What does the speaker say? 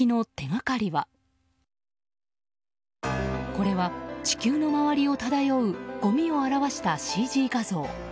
これは地球の周りを漂うごみを表したＣＧ画像。